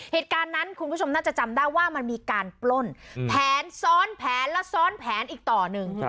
เหตุการณ์นั้นคุณผู้ชมน่าจะจำได้ว่ามันมีการปล้นแผนซ้อนแผนและซ้อนแผนอีกต่อหนึ่ง